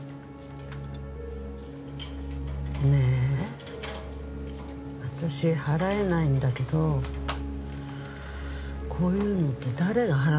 ねえ私払えないんだけどこういうのって誰が払うんですかね？